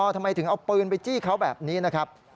ทำไมถึงเอาปืนไปจี้เขาแบบนี้นะครับ